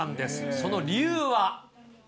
その理由は。